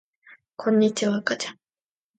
こんにちは、あかちゃん